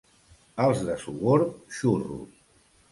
Els de Sogorb, xurros.